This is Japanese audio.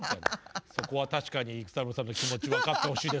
「そこは確かに育三郎さんの気持ち分かってほしいですね」